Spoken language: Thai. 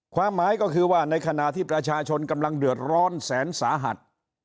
ความหมายก็คือว่าในขณะที่ประชาชนกำลังเดือดร้อนแสนสาหัส